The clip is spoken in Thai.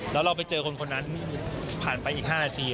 แล้วเราไปเจอคนนั้นผ่านไปอีก๕นาที